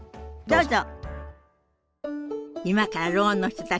どうぞ。